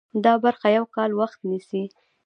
دا برخه یو کال وخت نیسي.